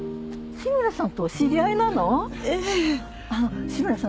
志村さん。